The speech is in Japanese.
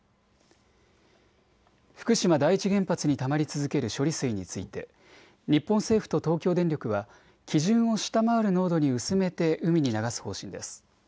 福島第一原発にたまり続ける処理水について日本政府と東京電力は基準を下回る濃度に薄めて海に流す方針です。